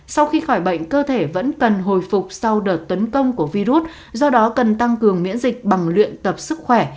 sau khi khỏi bệnh cơ thể vẫn cần hồi phục sau đợt tấn công của virus do đó cần tăng cường miễn dịch bằng luyện tập sức khỏe